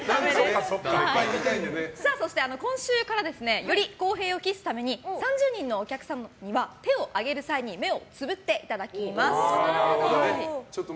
今週もより公平を期すために３０人のお客さんには手を挙げる際に目をつむっていただきます。